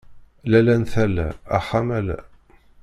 Lalla n tala axxam ala.